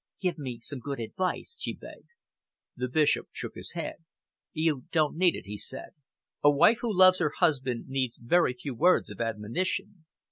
"Give me some good advice," she begged. The Bishop shook his head. "You don't need it," he said. "A wife who loves her husband needs very few words of admonition.